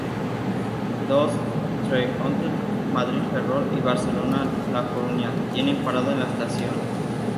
Dos Trenhotel, Madrid-Ferrol y Barcelona-La Coruña, tienen parada en la estación.